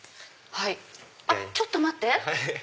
あっちょっと待って！